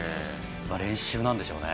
練習なんでしょうね。